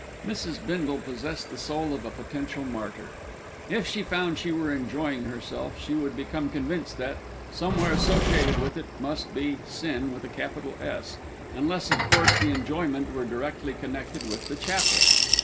Mrs. Bindle possessed the soul of a potential martyr. If she found she were enjoying herself, she would become convinced that, somewhere associated with it, must be Sin with a capital "S", unless of course the enjoyment were directly connected with the chapel.